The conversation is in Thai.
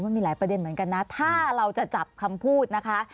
มันมีหลายประเด็นเหมือนกันนะถ้าเราจะจับคำพูดนะคะ